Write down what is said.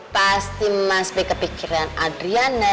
pasti mas b kepikiran adriana